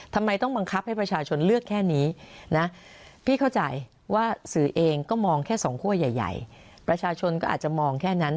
ทำไมต้องบังคับให้ประชาชนเลือกแค่นี้นะพี่เข้าใจว่าสื่อเองก็มองแค่สองขั้วใหญ่ประชาชนก็อาจจะมองแค่นั้น